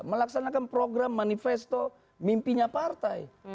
melaksanakan program manifesto mimpinya partai